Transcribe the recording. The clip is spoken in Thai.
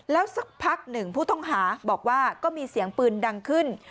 แล้วสักพักหนึ่งผู้ต้องหาบอกว่าก็มีเสียงปืนดังขึ้น